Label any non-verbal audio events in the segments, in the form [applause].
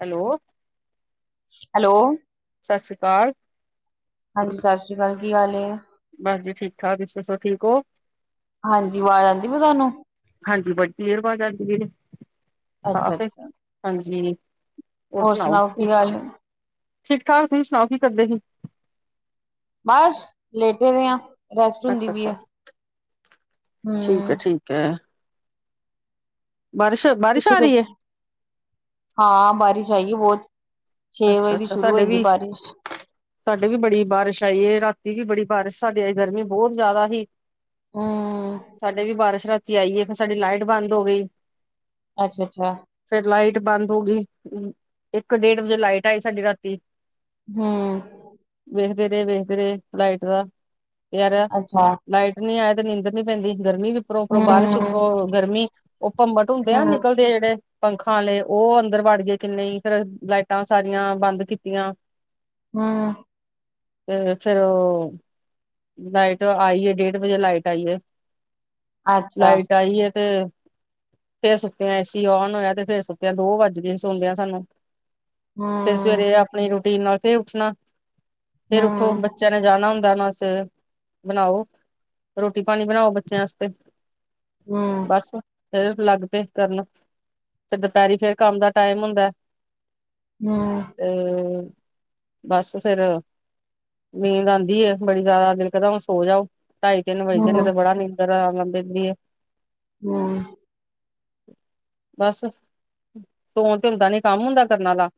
Hello. Hello. ਸਤਿ ਸ੍ਰੀ ਅਕਾਲ। ਹਾਂਜੀ, ਸਤਿ ਸ੍ਰੀ ਅਕਾਲ ਕੀ ਹਾਲ ਏ? ਬਸ ਜੀ ਠੀਕ- ਠਾਕ ਤੁਸੀ ਦੱਸੋ ਠੀਕ ਹੋ? ਹਾਂਜੀ ਆਵਾਜ਼ ਆਉਂਦੀ ਪਈ ਤੁਹਾਨੂੰ। ਹਾਂਜੀ ਵੱਡੀ ਦੇਰ ਬਾਦ ਆਂਦੀ ਪਈ ਹੈ। ਅੱਛਾ ਸਾਫ਼ ਏ ਅੱਛਾ ਹਾਂਜੀ। ਹੋਰ ਸੁਣਾਓ? ਕੀ ਹਾਲ ਏ ਠੀਕ- ਠਾਕ। ਤੁਸੀਂ ਸੁਣਾਓ ਕੀ ਕਰਦੇ ਸੀ? ਬਸ ਲੇਟੇ ਰਹੇ ਹਾਂ, ਰੈਸਟ ਹੁੰਦੀ ਅੱਛਾ ਵੀ ਅੱਛਾ ਹੈ। ਹੂੰ। ਕਿ ਬਾਰਿਸ਼ ਬਾਰਿਸ਼ ਤੁਸੀਂ ਆ ਰਹੀ ਹੈ ਦੱਸੋ ਹਾਂ, ਬਾਰਿਸ਼ ਆਈਏ ਬਹੁਤ। ਛੇ ਵਜੇ ਦੀ ਸ਼ੁਰੂ ਹੋ ਜਾਂਦੀ ਬਾਰਿਸ਼। ਹਾਂ [unintelligible] ਸਾਡੇ ਵੀ ਬੜੀ ਬਾਰਿਸ਼ ਆਈ ਏ। ਰਾਤੀ ਵੀ ਬੜੀ ਬਾਰਿਸ਼ ਸਾਡੇ ਆਈ, ਗਰਮੀ ਬਹੁਤ ਜ਼ਿਆਦਾ ਹੀ। ਹੂੰ। ਸਾਡੇ ਵੀ ਬਾਰਿਸ਼ ਰਾਤੀ ਆਈ ਏ। ਫੇਰ ਸਾਡੀ ਲਾਈਟ ਬੰਦ ਹੋ ਗਈ। ਅੱਛਾ- ਅੱਛਾ। ਫੇਰ ਲਾਈਟ ਬੰਦ ਹੋ ਗਈ। ਹੂੰ ਇੱਕ, ਡੇਢ ਵਜੇ ਲਾਈਟ ਆਈ ਸਾਡੀ ਰਾਤੀ। ਹੂੰ। ਵੇਖਦੇ ਰਹੇ- ਵੇਖਦੇ ਰਹੇ ਲਾਈਟ ਦਾ। ਪੇਆ ਰਿਹਾ ਅੱਛਾ ਲਾਈਟ। ਨੀ ਆਏ ਤੇ ਨੀਂਦਰ ਨੀ ਪੈਂਦੀ, ਗਰਮੀ ਵੀ ਉਪਰੋ- ਉਪਰੋ ਹੂੰ ਬਾਰਿਸ਼, ਉਪਰੋ ਗਰਮੀ, ਉਹ ਭੰਬਟ ਹੁੰਦੇ ਆ ਹੂੰ ਨਿਕਲਦੇ ਆ ਜਿਹੜੇ। ਪੰਖਾਂ ਆਲੇ ਉਹ ਅੰਦਰ ਵੜ ਗਏ ਕਿੰਨੇ ਹੀ। ਫੇਰ ਲਾਈਟਾਂ ਸਾਰੀਆਂ ਬੰਦ ਕੀਤੀਆਂ। ਹੂੰ। ਤੇ ਫੇਰ ਉਹ। ਲਾਈਟ ਆਈਏ, ਡੇਢ ਵਜੇ ਲਾਈਟ ਆਈਏ। ਅੱਛਾ ਲਾਈਟ ਆਈ ਹੈ ਤੇ। ਫੇਰ ਸੁੱਤਿਆ। ਏਸੀ ਉਨ ਹੋਇਆ ਤੇ ਫੇਰ ਸੁਤਿਆਂ। ਦੋ ਵੱਜ ਗੇ ਸੌਦਿਆਂ ਸਾਨੂੰ। ਹੂੰ ਫੇਰ ਸਵੇਰੇ ਆਪਣੀ ਰੂਟੀਨ ਨਾਲ, ਫੇਰ ਉੱਠਣਾ ਫੇਰ ਉੱਠੋ। ਹੂੰ ਬੱਚੇ ਨੇ ਜਾਣਾ ਹੁੰਦਾ ਨਾ। ਤੇ ਬਣਾਓ ਰੋਟੀ- ਪਾਣੀ ਬਣਾਓ ਬੱਚਿਆਂ ਵਸਤੇ। ਹੂੰ ਬਸ ਫੇਰ ਲੱਗ ਪਏ ਕਰਨ, ਦੁਪਹਿਰੀ ਫੇਰ ਕੰਮ ਦਾ ਟਾਈਮ ਹੁੰਦਾ। ਹੂੰ। ਤੇ ਬਸ ਫੇਰ ਨੀਂਦ ਆਉਂਦੀ ਹੈ। ਬੜੀ ਜ਼ਿਆਦਾ ਦਿਲ ਕਰੋ ਹੁਣ ਸੋ ਜਾਓ। ਢਾਈ, ਤਿੰਨ ਵਜਦੇ ਨੇ ਹੂੰ ਤੇ ਬੜਾ ਨੀਂਦ ਆ ਲਦੀ ਆ। ਹੂੰ। [inaudible] ਬਸ ਸੋਣ ਤੇ ਹੁੰਦਾ ਨੀ ਕੰਮ ਹੁੰਦਾ ਕਰਨ ਵਾਲਾ।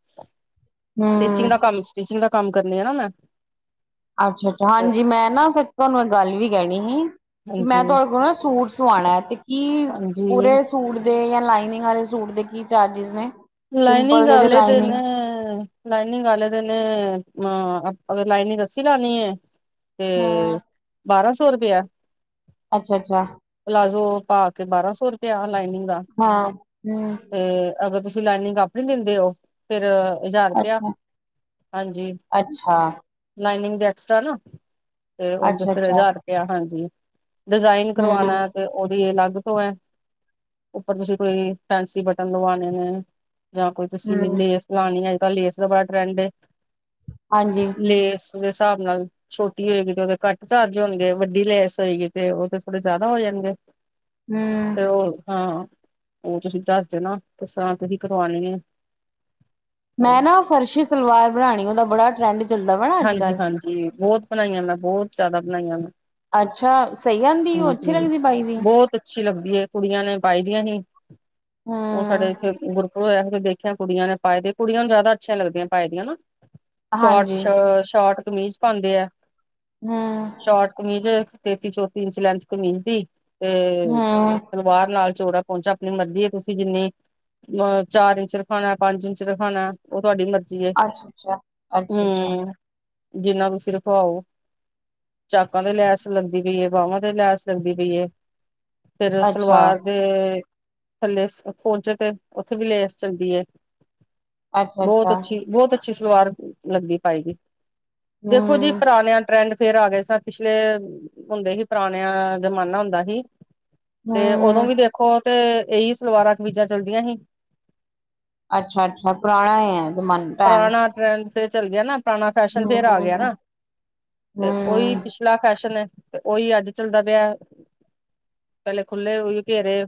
ਸਟਿਚਿੰਗ ਦਾ ਹੂੰ ਕੰਮ, ਸਟਿਚਿੰਗ ਦਾ ਕੰਮ ਕਰਨੀੇ ਆ ਨਾ ਮੈਂ। ਅੱਛਾ-ਅੱਛਾ ਹਾਂਜੀ ਮੈਂ ਨਾ ਤੁਹਾਨੂੰ ਇੱਕ ਗੱਲ ਵੀ ਕਹਿਣੀ ਸੀ। ਹਾਂਜੀ ਮੈਂ ਤੁਹਾਡੇ ਕੋਲ ਨਾ, ਸੂਟ ਸਵਾਣਾ ਹੈ ਤੇ ਕੀ ਹਾਂਜੀ। ਪੂਰੇ ਸੂਟ ਦੇ, ਜਾਂ ਲਾਈਨਿੰਗ ਵਾਲੇ ਸੂਟ ਦੇ ਕੀ ਚਾਰਜਿਸ ਨੇ। ਸਿੰਪਲ ਲਾਈਨਿੰਗ ਤੇ ਵਾਲੇ ਦੇ ਨ ਲਾਈਨਿੰਗ ਲਾਈਨਿੰਗ ਵਾਲੇ ਦੇ ਨਾ ਅਗਰ ਲਾਈਨਿੰਗ ਅਸੀ ਲਾਣੀ ਹੈ ਤੇ ਹਾਂ ਬਾਰਾਂ ਸੌ ਰੁਪਇਆ। ਅੱਛਾ-ਅੱਛਾ। ਪਲਾਜ਼ੋ ਪਾ ਕੇ, ਬਾਰਾਂ ਸੌ ਰੁਪਇਆ ਲਾਈਨਿੰਗ ਦਾ। ਹਾਂ ਹੂੰ ਤੇ ਅਗਰ ਤੁਸੀਂ ਤੁਸੀ ਲਾਈਨਿੰਗ ਆਪਣੀ ਦਿੰਦੇ ਹੋ। ਫਿਰ ਹਜ਼ਾਰ ਰੁਪਆ ਅੱਛਾ ਹਾਂਜੀ ਅੱਛਾ ਲਾਈਨਿੰਗ ਦੇ ਐਕਸਟ ਨਾ ਤੇ ਉੰਜ ਫਿਰ ਅੱਛਾ-ਅੱਛਾ ਹਜਾਰ ਰੁਪਆ ਹਾਂਜੀ। ਡਿਜ਼ਾਇਨ ਕਰਵਾਉਣਾ ਹੂੰ-ਹੂੰ ਤੇ ਉਹਦੀ ਅਲੱਗ ਤੋਂ ਹੈ ਉੱਪਰ ਤੁਸੀਂ ਕੋਈ ਫੈਸੀ ਬਟਨ ਲਵਾਣੇ ਨੇ। ਜਾਂ ਕੋਈ ਤੁਸੀਂ ਲੇਸ ਲਾਉਣੀ ਆ ਅਜ ਕੱਲ ਲੇਸ ਦਾ ਬੜਾ ਟਰੈਂਡ ਹੈ, ਹਾਂਜੀ ਲੇਸ ਉਹਦੇ ਸਾਬ ਨਾਲ ਛੋਟੀ ਹੋਏਗੀ ਤੇ ਉਹਦੇ ਘੱਟ ਚਾਰਜ ਹੋਣਗੇ ਵੱਡੀ ਲੈਸ ਹੋਏਗੀ ਤੇ ਉਹ ਤੇ ਥੋੜੇ ਜਾਦਾ ਹੋ ਜਾਣਗੇ। ਹੂੰ ਤੇ ਹੋਰ ਹਾਂ ਉਹ ਤੁਸੀਂ ਦੱਸ ਦਿਓ ਨਾ ਕਿਸ ਤਰ੍ਹਾਂ ਤੁਸੀਂ ਕਰਵਾਣੀ ਹੈ। ਮੈਂ ਨਾ ਫਰਸ਼ੀ ਸਲਵਾਰ ਬਣਾਣੀ ਉਹਦਾ ਬੜਾ ਟਰੈਂਡ ਚੱਲਦਾ ਵਾ ਨਾ ਅੱਜ ਕੱਲ ਹਾਂਜੀ-ਹਾਂਜੀ ਬਹੁਤ ਬਣਾਈਆਂ ਮੈਂ ਬਹੁਤ ਜਾਦਾ ਬਣਾਈਆ ਮੈਂ। ਅੱਛਾ। ਸਹੀ ਆਂਦੀ ਉਹ ਅੱਛੀ ਹਾਂਜੀ ਲੱਗਦੀ ਪਾਈ ਦੀ ਬੌਤ ਅੱਛੀ ਲੱਗਦੀ ਏ ਕੁੜੀਆਂ ਨੇ ਪਾਈ ਦੀਆ ਹੀ। ਉਹ ਹਾਂ ਸਾਡੇ ਇੱਥੇ ਗੁਰਪੁਰ ਹੋਇਆ ਦੇਖਿਆ ਕੁੜੀਆਂ ਨੇ ਪਾਏ ਦੇ ਕੁੜੀਆਂ ਨੂੰ ਜਾਦਾ ਅੱਛੀਆ ਲੱਗਦੀਆ ਪਾਏ ਦੀਆ ਨਾ। ਹਾਂਜੀ ਸ਼ੋਟਸ਼ ਸ਼ੋਟ ਕਮੀਜ਼ ਪਾਦੇ ਏ। ਹਮ ਸ਼ੋਰਟ ਕਮੀਜ਼ ਤੇਤੀ ਚੌਤੀ ਇੰਚ ਲੈਂਥ ਕਮੀਜ਼ ਦੀ ਤੇ ਹੂੰ ਸਲਵਾਰ ਨਾਲ ਚੋੜਾ ਪਹੁੰਚਾ ਆਪਣੀ ਮਰਜ਼ੀ ਤੁਸੀ ਜਿੰਨੀ ਚਾਰ ਇੰਚ ਰਖਾਣਾ ਪੰਜ ਇੰਚ ਰਖਾਣਾ। ਉਹ ਤੁਹਾਡੀ ਮਰਜੀ ਏ ਅੱਛਾ ਅੱਛਾ ਅੱਛਾ ਹਮ। ਜਿੰਨਾ ਤੁਸੀ ਰਖਵਾਓ ਚਾਕਾਂ ਤੇ ਲੈਸ ਲੱਗਦੀ ਪਈ ਹੈ। ਬਾਂਵਾਂ ਤੇ ਲੈਸ ਲੱਗਦੀ ਪਈ ਹੈ ਫੇਰ ਅੱਛਾ ਸਲਵਾਰ ਤੇ ਥੱਲੇ ਪੋਚੇ ਤੇ ਉੱਥੇ ਵੀ ਲੇਸ ਚੱਲਦੀ ਏ। ਅੱਛਾ ਅੱਛਾ ਬੌਤ ਅੱਛਾ ਅੱਛੀ ਬੌਤ ਅੱਛੀ ਸਲਵਾਰ ਲੱਗਦੀ ਪਾਈ ਦੀ। ਦੇਖੋ ਜੀ ਹਮ ਪੁਰਾਣਿਆ ਟਰੈਂਡ ਫੇਰ ਆ ਗਏ ਸ ਪਿਛਲੇ ਹੁੰਦੇ ਸੀ ਪੁਰਾਣਿਆ ਜ਼ਮਾਨਾ ਹੁੰਦਾ ਸੀ ਤੇ ਉਦੋਂ ਹਮ ਵੀ ਦੇਖ ਖੋ ਤੇ ਇਹੀ ਸਲਵਾਰਾ ਕਮੀਜਾ ਚੱਲਦੀਆਂ ਹੀ। ਅੱਛਾ-ਅੱਛਾ ਪੁਰਾਣਾ ਹੈ ਜਮਾ ਪੁਰਾਣਾ ਟਰੈਂਡ ਫਿਰ ਚੱਲ ਗਿਆ ਨਾ ਪੁਰਾਣਾ ਫੈਸ਼ਨ ਫੇਰ ਆ ਗਿਆ ਹਮ ਨਾ ਤੇ ਉਹੀ ਹਮ ਪਿ ਲਾ ਫੈਸ਼ਨ ਹੈ ਤੇ ਓਹੀ ਅੱਜ ਚੱਲਦਾ ਪਿਆ ਪਹਿਲੇ ਖੁੱਲੇ ਉਹੀ ਘੇਰੇ।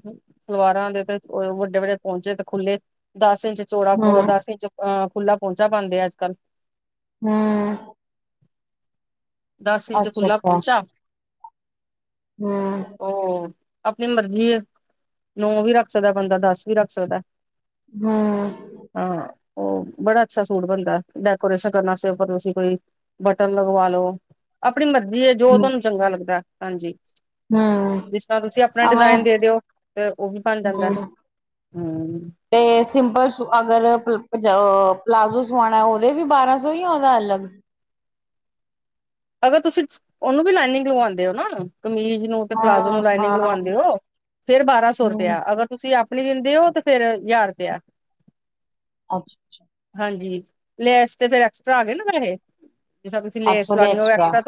ਸਲਵਾਰਾ ਦੇ ਤੇ ਵੱਡੇ-ਵੱਡੇ ਪਹੁੰਚੇ ਤੇ ਖੁੱਲੇ ਦਸ ਇੰਚ ਚੋੜਾ ਹਮ ਪੋ ਹਮ ਦੱਸ ਇੰਚ ਅਹ ਖੁੱਲ੍ਹਲਾ ਪਹੁੰਚਾ ਪਾਦੇ ਅੱਜ ਕੱਲ। ਹਮ ਦਸ ਇੰਚ ਅੱਛਾ ਖੁੱਲਾ ਅੱਛਾ ਪੋਚਾ। ਹਮ ਉਹ ਆਪਣੀ ਮਰਜੀ ਏ ਨੌ ਵੀ ਰੱਖ ਸਕਦਾ ਬੰਦਾ ਦਸ ਵੀ ਰੱਖ ਸਕਦਾ। ਹਮ ਹਾਂ ਉਹ ਬੜਾ ਅੱਛਾ ਸੂਟ ਬਣਦਾ ਡੈਕੋਰੇਸ਼ਨ ਕਰਨ ਵਾਸਤੇ ਤੁਸੀ ਕੋਈ ਬਟਨ ਲਗਵਾ ਲੋ ਆਪਣੀ ਮਰਜ਼ੀ ਹੈ ਜੋ ਹਮ ਤੁਹਾਨੂੰ ਚੰਗਾ ਲੱਗਦਾ ਹਾਂਜੀ। ਹਮ ਜਿਸ ਤਰ੍ਹਾਂ ਤੁਸੀਂ ਆਪਣਾ ਆਵੇਂ ਡਿਜ਼ਾਇਨ ਦੇ ਦਿਓ ਤੇ ਉਹ ਵੀ ਬਣ ਜਾਂਦਾ। ਹਮ ਹਮ ਤੇ ਸਿੰਪਲ ਅਗਰ ਆ ਪਲਾਜ਼ੋ ਸਵਾਉਣਾ ਉਹਦੇ ਵੀ ਬਾਰਾਂ ਸੌ ਜਾਂ ਉਹਦਾ ਅਲੱਗ। ਅਗਰ ਤੁਸੀਂ ਉਹਨੂੰ ਵੀ ਲਾਈਨਿੰਗ ਲਵਾਉਂਦੇ ਹੋ ਨਾ ਕਮੀਜ਼ ਨੂੰ ਤੇ ਪਲਾਜ਼ੋ ਹਾਂ ਨੂੰ ਲਾਈਨਿੰਗ ਹਾਂ ਲਵਾਂਦੇ ਹਮ ਓ ਫੇਰ ਬਾਰਾਂ ਸੌ ਰੁਪਇਆ ਅਗਰ ਤੁਸੀ ਆਪਣੀ ਦਿੰਦੇ ਹੋ ਤੇ ਫੇਰ ਹਜ਼ਾਰ ਰੁਪਇਆ। ਅੱਛਾ ਛਾ ਹਾਂਜੀ ਲੈਸ ਤੇ ਫੇਰ ਐਕਸਟਰਾ ਆ ਗਏ ਨਾ ਪੈਹੈ ਜਿੱਦਾ ਤੁਸੀ ਅੱਛਾ ਲੇਸ ਉਹਦੇ ਲਾਣੀ ਹੋਵੇ ਐਕਸਟਰਾ ਐਕਸਟਰਾ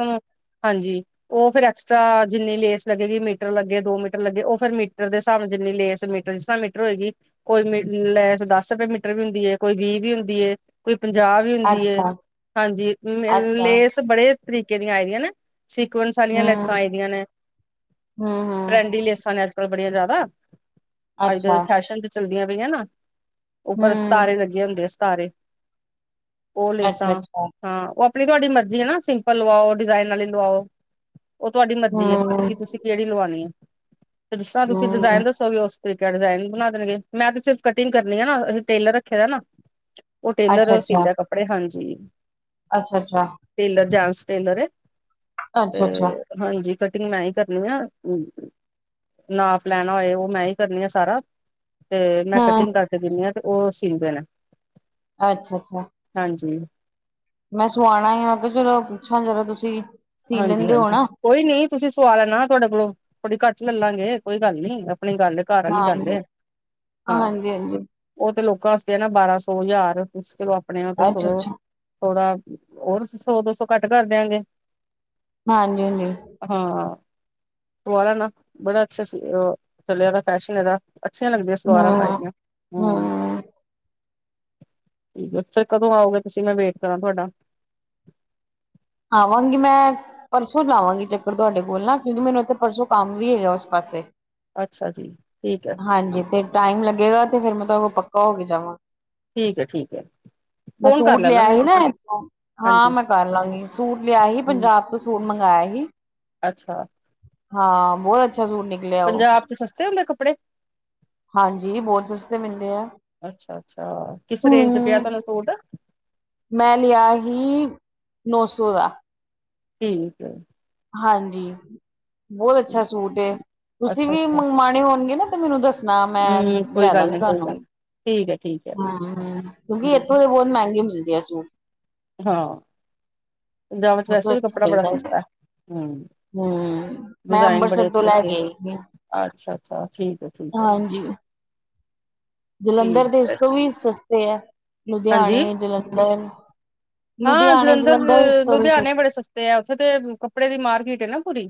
ਹਾਂਜੀ ਉਹ ਫੇਰ ਐਕਸਟਰਾ ਜਿੰਨੀ ਲੇਸ ਲੱਗੇਗੀ ਮੀਟਰ ਲੱਗੇ, ਦੋ ਮੀਟਰ ਲੱਗੇ ਉਹ ਫਿਰ ਮੀਟਰ ਦੇ ਹਿਸਾਬ ਨਾਲ ਜਿੰਨੀ ਲੇਸ ਮ ਜਿਸ ਤਰ੍ਹਾਂ ਮੀਟਰ ਹੋਏਗੀ ਕੋਈ ਮ ਲੈ ਦਸ ਰੁਪਏ ਮੀਟਰ ਵੀ ਹੁੰਦੀ ਹੈ ਕੋਈ ਵੀਹ ਵੀ ਹੁੰਦੀ ਹੈ। ਕੋਈ ਪੰਜਾਹ ਹੀ ਹੁੰਦੀ ਅੱਛਾ ਹਾਂਜੀ ਅੱਛਾ ਲੇਸ ਬੜੇ ਤਰੀਕੇ ਦੀਆਂ ਆਏ ਦੀਆਂ ਨਾ ਸਿਕਵੰਸ ਵਾਲੀਆਂ ਹਮ ਲੇਸਾਂ ਆਏ ਦੀਆਂ ਨੇ ਟੈਂਡੀ ਹੂੰ-ਹੂੰ, ਲੇਸਾਂ ਨੇ ਕਲ ਬੜੀਆਂ ਜ਼ਿਆਦਾ ਅੱਜ ਕੱਲ ਅੱਛਾ, ਫੈਸ਼ਨ ਤੇ ਚਲਦੀਆਂ ਪਈਆਂ ਨਾ ਉੱਪਰ ਹੂੰ, ਸਿਤਾਰੇ ਲੱਗੇ ਹੁੰਦੇ ਆ ਸਤਾਰੇ ਉਹ ਲੇਸਾਂ ਅੱਛਾ-ਅੱਛਾ, ਹਾਂ ਉਹ ਆਪਣੀ ਤੁਹਾਡੀ ਮਰਜ਼ ਜੀ ਨਾ ਸਿੰਪਲ ਲਵਾਓ ਡਿਜ਼ਾਇਨ ਵਾਲੀ ਲਵਾਓ ਉਹ ਤੁਹਾਡੀ ਮਰਜ਼ੀ ਹੂੰ। ਕਿ ਤੁਸੀਂ ਜਿਹੜੀ ਲਵਾਣੀ ਹੈ ਤੇ ਜਿਸ ਤਰ੍ਹਾਂ ਤੁਸੀਂ ਹੂੰ, ਡਿਜ਼ਾਇਨ ਦੱਸੋਗੇ ਉਸ ਤ ਡਿਜ਼ਾਇਨ ਬਣਾ ਦੇਣਗੇ ਮੈਂ ਤੇ ਸਿਰਫ ਕਟਿੰਗ ਕਰਨੀ ਆ ਨਾ ਅਸੀਂ ਟੇਲਰ ਰੱਖੇ ਦਾ ਨਾ ਉਹ ਟੇਲਰ ਸੀਦੈ ਕੱਪੜੇ ਹਾਂਜੀ ਅੱਛਾ ਅੱਛਾ ਟੇਲਰ ਜਸ ਟੇਲਰ ਤੇ ਅੱਛਾ-ਅੱਛਾ, ਹਾਂਜੀ ਕਟਿੰਗ ਮੈਂ ਹੀ ਕਰਨੀ ਆ ਨਾਪ ਲੈਣਾ ਹੋਏ ਉਹ ਮੈਂ ਹੀ ਕਰਨੀ ਆ ਸਾਰਾ ਤੇ ਮੈਂ ਕਟਿੰਗ ਹੂੰ, ਕਰਕੇ ਦਿੰਦੀ ਹਾਂ ਤੇ ਉਹ ਸੀਂਦੇ ਨੇ ਅੱਛਾ ਅੱਛਾ ਹਾਂਜੀ ਮੈਂ ਸਵਾਣਾ ਆ ਮੈਂ ਕਿਹਾ ਚਲੋ ਪੁੱਛਾਂ ਜਦੋ ਤੁਸੀਂ ਸੀ ਹਾਂਜੀ ਲੈਂਦੇ ਹੋ ਹਾਂਜੀ ਨਾ, ਕੋਈ ਨੀ ਤੁਸੀਂ ਸਵਾ ਲੈਣਾ ਤੁਹਾਡੇ ਕੋਲੋਂ ਥੋੜੀ ਘੱਟ ਲੈਲਾਂਗੇ ਕੋਈ ਗੱਲ ਨੀ ਆਪਣੀ ਗੱਲ ਘਰ ਆਲੀ ਗੱਲ ਹਾਂਜੀ। ਏ ਹਾਂ ਹਾਂਜੀ-ਹਾਂਜੀ, ਉਹ ਤੇ ਲੋਕਾਂ ਆਸਤੇ ਆ ਨਾ ਬਾਰਾਂ ਸੌ ਹਜ਼ਾਰ ਤੁਸੀ ਚਲੋ ਆਪਣੇ ਤੇ ਥੋੜੋ ਅੱਛਾ-ਅੱਛਾ, ਥੋੜਾ ਹੋਰ ਸੌ ਦੋ ਸੌ ਘੱਟ ਕਰ ਦਿਆਂਗੇ ਹਾਂਜੀ ਹਾਂਜੀ ਹਾਂ ਸੁਆ ਲੈਣਾ ਬੜਾ ਅੱਛਾ ਸੀ ਚਲਿਆ ਫੈਸ਼ਨ ਇਹਦਾ ਅੱਛੀਆਂ ਲੱਗਦੀਆਂ ਸਲਵਾਰਾਂ ਪਾਈ ਹੂੰ। ਦੀਆਂ ਹਮ ਹੂੰ, ਅੱਛਾ ਕਦੋਂ ਆਓਗੇ ਤੁਸੀਂ ਮੈਂ ਵੇਟ ਕਰਾਂ ਤੁਹਾਡਾ ਆਵਾਂਗੀ ਮੈਂ ਪਰਸੋਂ ਲਾਵਾਂਗੀ ਚੱਕਰ ਤੁਹਾਡੇ ਕੋਲ ਨਾ ਕਿਉਂਕਿ ਮੈਨੂੰ ਉੱਥੇ ਪਰਸੋਂ ਕੰਮ ਵੀ ਹੈਗਾ ਉਸ ਪਾਸੇ ਅੱਛਾ ਜੀ ਠੀਕ ਹੈ ਹਾਂਜੀ ਤੇ ਟਾਈਮ ਲੱਗੇਗਾ ਤੇ ਫੇਰ ਮੈਂ ਤੁ ਪੱਕਾ ਹੋ ਕੇ ਜਾਵਾਂ ਠੀਕ ਹੈ ਠੀਕ ਹੈ ਮੈਂ ਫੋਨ ਕਰ ਸੂਟ ਲੈਣਾ ਲਿਆ ਮੈਨੂੰ ਸੀ ਨਾ ਤੁਸੀਂ ਇਥੋਂ ਹਾਂ ਹਾਂਜੀ ਮੈਂ ਕਰ ਲਾਂਗੀ ਸੂਟ ਲਿਆ ਹੀ ਹਮ ਪੰਜਾਬ ਤੋਂ ਸੂਟ ਮੰਗਇਆ ਹੀ ਅੱਛਾ ਹਾਂ ਬਹੁਤ ਅੱਛਾ ਸੁਟ ਨਿਕਲਿਆ ਉਹ ਪੰਜਾਬ ਚ ਸਸਤੇ ਹੁੰਦੇ ਕੱਪੜੇ ਹਾਂਜੀ ਬਹੁਤ ਸਸਤੇ ਮਿਲਦੇ ਐ ਅੱਛਾ ਅੱਛਾ ਕਿਸ ਰੇਂਜ ਚ ਪਿਆ ਤੁਹਾਨੂੰ ਸੂਟ ਮੈਂ ਲਿਆ ਸੀ ਨੌ ਸੌ ਦਾ ਠੀਕ ਏ ਹਾਂਜੀ ਬਹੁਤ ਅੱਛਾ ਸੂਟ ਏ ਠੀਕ। ਤੁਸੀਂ ਅੱਛਾ ਵੀ ਅੱਛਾ ਮੰਗਵਾਂਣੇ ਹੋਣਗੇ ਨਾ ਤੇ ਮੈਨੂੰ ਦੱਸ ਸਣਾ ਮੈਂ ਹਮ ਕੋਈ ਗੱਲ ਲਿਆਦਾਂਗੀ ਨੀ ਕੋਈ ਗੱਲ ਤੁਹਾਂਨੂੰ। ਨੀ ਠੀਕ ਏਂ ਠੀਕ ਏਂ। ਹੂੰ ਕਿਉਂਕਿ ਇੱਥੋਂ ਵੀ ਬਹੁਤ ਮਹਿੰਗੀ ਮਿਲ਼ਦੇ ਆ ਸ਼ੂਟ। ਹਾਂ ਪੰਜਾਬ ਚ ਵੈਸੇ ਵੀ ਕੱਪੜਾਂ ਬੜਾ ਸਸਤਾ ਹੈਂ। ਹੂੰ ਮੈਂ ਅੰਬਰਸਰ ਤੋਂ ਲ਼ੈ ਕੇ ਆਈਂ ਹੀ ਆ ਅੱਛਾ ਅੱਛਾ। ਠੀਕ ਹੈਂ ਠੀਕ ਹੈਂ। ਜਲ਼ੰਧਰ ਦੇ ਠੀਕ ਇਸ ਹੈ ਤੋਂ ਜੀ। ਵੀ ਸਸਤੇ ਹੈਂ। ਹਾਂਜੀ, ਲੁਧਿਆਣੇਂ ਜਲ਼ੰਧਰ। ਹਾਂ ਜਲ਼ੰਧਰ ਲੁਧਿਆਣੇਂ ਬੜੇ ਸਸਤੇ ਐ, ਉੱਥੇ ਤੇ ਕੱਪੜੇ ਦੀ ਮਾਰਕੀਟ ਹੈਂ ਨਾ ਪੂਰੀ।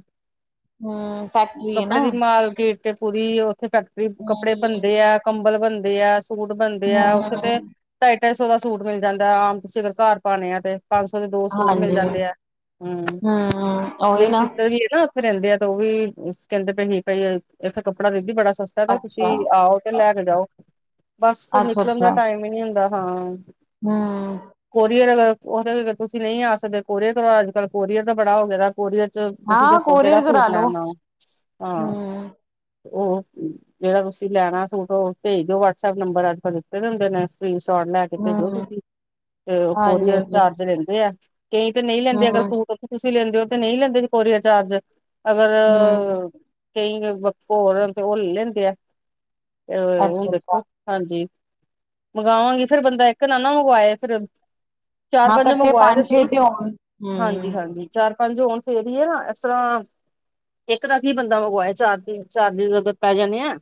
ਹੂੰ ਫੈਕਟਰੀ ਐ ਨਾ। ਕੱਪੜੇ ਦੀ ਮਾਰਕੀਟ ਕੇ ਪੂਰੀ ਉੱਥੇ ਫੈਕਟਰੀ ਕੱਪੜੇ ਹੂੰ ਬਣਦੇ ਐ, ਕੰਬਲ਼ ਬਣਦੇ ਐ, ਸੂਟ ਬਣਦੇ ਐ। ਉੱਥੇ ਤੇ। ਢਾਈ- ਢਾਈ ਸੌ ਦਾ ਸੂਟ ਮਿਲ ਜਾਂਦਾਂ, ਆਮ ਤੁਸੀਂ ਅਗਰ ਘਰ ਪਾਣੇਂ ਆ ਤੇ। ਪੰਜ ਸੌ ਦੇ ਦੋ ਸੂਟ ਮਿਲ ਹਾਂਜੀ ਹੂੰ ਜਾਂਦੇ ਐ, ਹੂੰ ਉਹੀ ਮੇਰੀ ਨਾ ਸਿਸਟਰ ਵੀ ਐਂ ਨਾ ਉੱਥੇ ਰਹਿੰਦੇਂ ਆ, ਤੇ ਉਹ ਵੀ ਕਹਿੰਦੇ ਪਏ ਹੀ ਭਈ ਇੱਥੇ ਕੱਪੜਾ ਕਹਿੰਦੀ ਬੜਾ ਸਸਤਾ, ਤੇ ਅੱਛਾ। ਤੁਸੀਂ ਆਓ। ਫ਼ਿਰ ਲੈ ਕੇ ਜਾਓ, ਬਸ ਨਿਕਲਣ ਦਾ ਅੱਛਾ-ਅੱਛਾ ਟਾਇਮ ਹੀ ਨੀ ਹੁੰਦਾ, ਹਾਂ। ਹੂੰ। ਬਈ ਅਗਰ ਉਹ ਤੇ ਅਗਰ ਤੁਸੀਂ ਨਹੀਂ ਆ ਸਕਦੇ ਕੋਰੀਅਰ ਕਰੋ। ਅੱਜ ਕੱਲ ਕੋਰੀਅਰ ਦਾ ਬੜਾ ਹੋ ਗਿਆਂ ਦਾ। ਕੋਰੀਅਰ ਚ ਤੁਸੀਂ ਹਾਂ ਦੱਸੋਂ ਕਿਹੜਾ ਕੋਰੀਅਰ ਕਰਾ ਸੂਟ ਲੋ ਲੈਣ ਆਓ, ਹਾਂ। ਹੂੰ। ਉਹ ਜਿਹੜਾਂ ਤੁਸੀਂ ਲੈਣਾਂ ਸੂਟ ਉਹ ਭੇਜ ਦਿਓ, ਵਟਸਐੱਪ ਨੰਬਰ ਅੱਜ- ਕੱਲ੍ਹ ਦਿੱਤੇ ਦੇ ਹੁੰਦੇ ਨੇਂ। ਸਕਰੀਨ ਸ਼ੌਟ ਲੈ ਕੇ ਭੇਜੋ ਹੂੰ ਤੁਸੀਂ। ਤੇ ਕੋਰੀਅਰ ਹਾਂਜੀ-ਹਾਂਜੀ ਚਾਰਜ ਲੈਂਦੇ ਆ, ਕਈ ਤੇ ਨਹੀਂ ਲੈਂਦੇਂ ਅਗਰ ਸੂਟ ਉਥੋਂ ਤੁਸੀਂ ਲੈਂਦੇ ਹੋ ਤੇ ਨਹੀਂ ਲੈਂਦੇਂ ਕੋਰੀਅਰ ਚਾਰਜ, ਹੂੰ-ਹੂੰ ਅਗਰ ਕਈ ਵੱਖੋ ਹੋਰ ਤੇ ਉਹ ਲੈ ਲੈਂਦੇਂ ਆ, ਹੁਣ ਅੱਛਾ-ਅੱਛਾ ਦੇਖੋਂ ਹਾਂਜੀ ਮੰਗਾਵਾਂਗੀ, ਫ਼ਿਰ ਬੰਦਾਂ ਇੱਕ ਨਾ-ਨਾ ਮੰਗਵਾਏ ਫ਼ਿਰ ਚਾਰ ਹਾਂ ਪੰਜ ਕੱਠੇ ਮੰਗਵਾਏ ਤੇ ਪੰਜ-ਛੇ ਸਈ, ਹੋਣ ਹੂੰ ਹਾਂਜੀ-ਹਾਂਜੀ ਚਾਰ ਪੰਜ ਹੋਣ ਫਿਰ ਹੀ ਆ ਨਾ, ਇਸ ਤਰ੍ਹਾਂ ਇੱਕ ਦਾ ਕੀ ਬੰਦਾ ਮੰਗਵਾਏ, ਚਾਰ ਚਾਰਜਿੰਗ ਜ਼ਿਆਦਾ ਪੈ ਜਾਣੇ ਆ।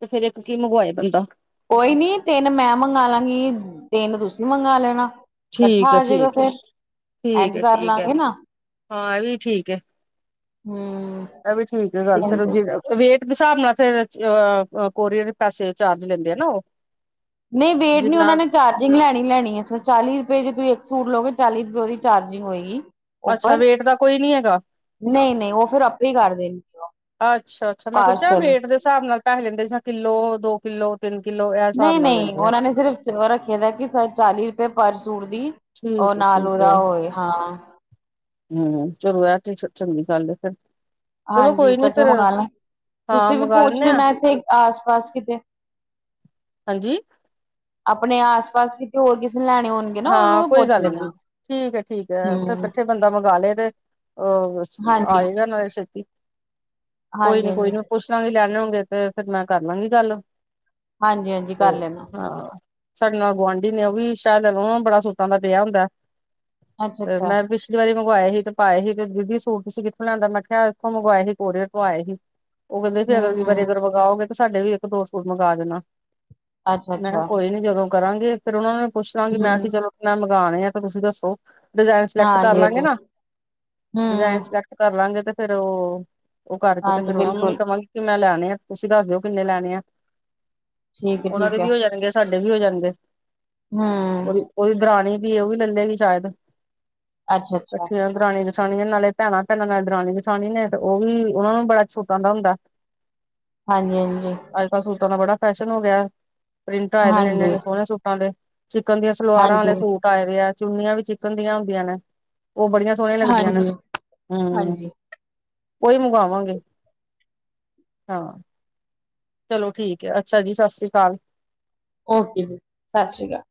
ਤੇ ਫੇਰ ਇੱਕ ਹੀ ਮੰਗਵਾਏ ਬੰਦਾ। ਕੋਈ ਨੀਂ ਤਿੰਨ ਮੈਂ ਮੰਗਾ ਲਾਂਗੀ, ਤਿੰਨ ਤੁਸੀਂ ਮੰਗਾਂ ਲੈਣਾ। ਠੀਕ ਇਕੱਠਾ ਹੈ ਆਜੇਗਾ ਠੀਕ ਹੈ ਫ਼ਿਰ, ਠੀਕ ਇੰਝ ਹੈ ਕਰ ਠੀਕ ਹੈ ਲਾਂਗੇ ਨਾ। ਹਾਂ ਇਹ ਵੀ ਹੂੰ, ਐ ਵੀ ਠੀਕ ਐ ਗੱਲ਼ ਤਿੰਨ ਸਰਬਜੀਤ। ਵੇਟ ਦੇ ਹਿਸਾਬ ਨਾਲ਼, ਫ਼ਿਰ ਚ ਕੋਰੀਅਰ ਪੈਸੇ ਚਾਰਜ ਲੈਂਦੇਂ ਆ ਨਾ ਉਹ। ਨਹੀਂ ਵੇਟ ਨੀ ਜਿੰਨਾ ਉਹਨਾਂ ਨੇ ਚਾਰਜਿੰਗ ਲੈਣੀ- ਲੈਣੀ ਐ, ਸਰ ਚਾਲ਼ੀ ਰੁਪਏ ਜੇ ਤੁਸੀਂ ਇੱਕ ਸ਼ੂਟ ਲਓਗੇ, ਚਾਲ਼ੀ ਰੁਪਏ ਉਹਦੀ ਚਾਰਜਿੰਗ ਹੋਏਗੀ। ਅੱਛਾ ਉੱਪਰ ਵੇਟ ਦਾ ਕੋਈ ਨੀ ਹੈਗਾ। ਨਹੀਂ- ਨਹੀਂ, ਉਹ ਫ਼ਿਰ ਆਪੇ ਹੀ ਕਰ ਦੇਣਗੇ। ਅੱਛਾ- ਅੱਛਾ ਮੈਂ ਸੋਚਿਆਂ ਪਾਰਸਲ ਵੇਟ ਦੇ ਹਿਸਾਬ ਨਾਲ ਪੈਹੇ ਲੈਂਦੇ, ਜਾਂ ਕਿੱਲੋ ਦੋ ਕਿੱਲੋ। ਤਿੰਨ ਕਿੱਲੋ, ਐਹ ਹਿਸਾਬ ਨਾਲ ਲੈਂਦੇਂ ਐ। ਉਹ ਰੱਖਿਆਂ ਦਾ ਕਿ ਚਾਲੀ ਰੁਪਏ ਪਰ ਸੂਟ ਦੀ, ਔਰ ਠੀਕ ਹੈ ਨਾਲ ਠੀਕ ਉਹਦਾ ਹੋਏ, ਹਾਂ। ਹੂੰ, ਚਲੋ ਐਹ ਚੀਜ਼ ਤੇ ਚੰਗੀ ਗੱਲ ਐ ਫਿਰ। ਚਲੋ ਹਾਂਜੀ ਕੋਈ ਨੀ ਕੱਠੇ ਫੇਰ ਮੰਗਾਲਾ, ਹਾਂ ਤੁਸੀਂ ਵੀ ਮੰਗਵਾ ਪੂਛ ਲੈਂਦੇ ਆ ਲੈਣਾ ਇੱਥੇਂ ਆਸ-ਪਾਸ ਕਿਤੇ। ਹਾਂਜੀ। ਆਪਣੇ ਆਸ- ਪਾਸ ਕਿਤੇ, ਹੋਰ ਕਿਸੇ ਨੇ ਲੈਣੇ ਹੋਣ। ਹਾਂ ਕੋਈ ਗੱਲ ਨੀ, ਠੀਕ ਐ-ਠੀਕ ਐ, ਫ਼ਿਰ ਹੂੰ ਇਕੱਠੇ ਬੰਦਾ ਮੰਗਾ ਲੇ ਤੇ। ਅਹ ਹਾਂਜੀ ਆਏਗਾ ਨਾਲ਼ੇ ਛੇਤੀ। ਕੋਈ ਹਾਂਜੀ ਨੀਂ ਕੋਈ ਹਾਂਜੀ ਨੀਂ, ਮੈਂ ਪੁੱਛਲਾਂਗੀ ਲੈਂਣੇ ਹੋਣਗੇ, ਤੇ ਫ਼ਿਰ ਮੈਂ ਕਰਲਾਂਗੀ ਗੱਲ। ਹਾਂਜੀ ਹਾਂਜੀ ਤੇ ਕਰ ਲੈਣਾ ਹਾਂ, ਸਾਡੇ ਨਾਲ ਗੁਆਂਢੀ ਨੇ ਉਹ ਵੀ ਸ਼ਾਇਦ ਤੇ ਉਹਨਾਂ ਨੂੰ ਬੜਾ ਸੂਟਾਂ ਦਾ ਪਿਆ ਹੁੰਦਾ, ਅੱਛਾ ਤੇ ਅੱਛਾ ਮੈਂ ਪਿੱਛ ਪਿੱਛਲੀ ਵਾਰੀ ਮੰਗਵਾਏ ਸੀ, ਤੇ ਪਾਏ ਸੀ ਤੇ ਦੀਦੀ ਸੂਟ ਤੁਸੀਂ ਕਿੱਥੋਂ ਲਿਆਂਦਾ, ਮੈਂ ਕਿਹਾ ਇੱਥੋਂ ਮੰਗਵਾਏ ਸੀ, ਕੋਰੀਅਰ ਤੋਂ ਆਏ ਸੀ। ਉਹ ਕਹਿੰਦੇ ਸੀ ਅਗਰ ਹਮ ਅਗਲੀ ਵਾਰੀ ਹਮ ਮੰਗਾਓਗੇ, ਤੇ ਸਾਡੇ ਵੀ ਇੱਕ ਦੋ ਸੂਟ ਮੰਗਾ ਦੇਣਾ। ਅੱਛਾ ਮੈਂ ਕਾ ਅੱਛਾ ਕੋਈ ਨੀ ਜਦੋਂ ਕਰਾਂਗੀ, ਫ਼ਿਰ ਉਹਨਾਂ ਨੂੰ ਪੁੱਛਲਾਂਗੀ, ਮੈਂ ਹਮ ਕੀ ਤੇ ਚਲੋ ਮੈਂ ਤੇ ਮੰਗਾਣੇ ਆ, ਤੇ ਤੁਸੀਂ ਦੱਸੋ। ਡਿਜ਼ਾਇਨ ਸਿਲੈਕਟ ਹਾਂਜੀ ਕਰਲਾਂਗੇ ਹਾਂਜੀ ਨਾ, ਡਿਜ਼ਾਇਨ ਹਮ ਸਿਲੈਕਟ ਕਰਲਾਂਗੇ ਤੇ ਫੇਰ ਉਹ, ਉਹ ਕਰਕੇ ਤੇ ਹਾਂਜੀ ਫੇਰ ਉਹਨਾਂ ਨੂੰ ਵੀ ਬਿਲਕੁਲ ਕਵਾਂਗੀ। ਕਿਵੇਂ ਲੈਣੇ ਆ, ਤੁਸੀਂ ਦੱਸ ਦਿਓ ਕਿੰਨੇ ਲੈਣੇ ਆ। ਠੀਕ ਉਹਨਾਂ ਦੇ ਵੀ ਹੋ ਜਾਣਗੇ, ਸਾਡੇ ਵੀ ਹੋ ਜਾਣਗੇ। ਹੂੰ, ਉਹਦੀ ਉਹਦੀ ਦਰਾਣੀ ਵੀ ਐ, ਉਹ ਵੀ ਲੇ ਲੇਗੀ ਸ਼ਾਇਦ ਅੱਛਾ ਅੱਛਾ ਕੱਠੀਆਂ ਦਰਾਣੀਆਂ- ਜਠਾਣੀਆਂ ਨੇ, ਨਾਲੇ ਭੈਣਾਂ- ਭੈਣਾਂ, ਨਾਲੇ ਦਰਾਣੀ- ਜਠਾਣੀ ਨੇ, ਤੇ ਉਹ ਵੀ ਉਹਨਾਂ ਨੂੰ ਬੜਾ ਸੂਟਾਂ ਦਾ ਹੁੰਦਾ। [unintelligible] ਹਾਂਜੀ- ਹਾਂਜੀ। ਅੱਜ- ਕੱਲ੍ਹ ਸੂਟਾਂ ਦਾ ਬੜਾ ਫੈਸ਼ਨ ਹੋ ਗਿਆ, ਪ੍ਰਿੰਟ ਆਏ ਦੇ ਨੇ ਇੰਨੇ- ਹਾਂਜੀ ਇੰਨੇ ਸੋਹਣੇ ਸੂਟਾਂ ਦੇ। ਚਿਕਨ ਦੀਆਂ ਸਲਵਾਰਾਂ ਵਾਲੇ ਹਾਂਜੀ ਸੂਟ ਆਏ ਦੇ ਆ, ਚੁੰਨੀਆਂ ਵੀ ਚਿਕਨ ਦੀਆਂ ਹੁੰਦੀਆਂ ਨੇ, ਉਹ ਬੜੀਆਂ ਸੋਹਣੀਆਂ ਲੱਗਦੀਆਂ ਨੇ, ਹਾਂਜੀ ਹੂੰ। ਹਾਂਜੀ ਓਹੀ ਮੰਗਵਾਂਵਾਂਗੇ, ਹਾਂ। ਚਲੋ ਠੀਕ ਹੈ, ਅੱਛਾ ਜੀ, ਸਤਿ ਸ਼੍ਰੀ ਅਕਾਲ। ਓਕੇ ਜੀ, ਸਤਿ ਸ਼੍ਰੀ ਅਕਾਲ।